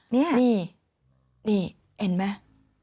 นี่นี่เห็นไหม